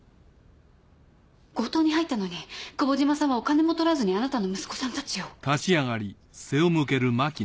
強盗に入ったのに久保島さんはお金も盗らずにあなたの息子さんたちを。